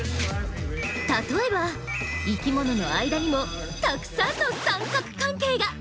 例えば生きものの間にもたくさんの三角関係が！